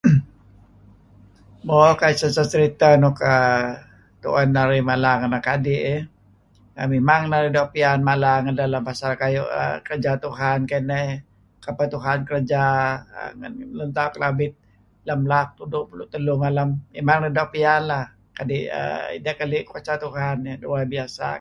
Mo kayu' serita nuk tuen narih mala ngen anak adi' iih mimang narih doo' piyan mala au' kerja Tuhan kai ineh kapeh Tuhan kerja. Lun tauh Kelabit lam laak 1973 mimang doo' piyan kadi' ideh keli' kuasa Tuhan nuk luar biasa.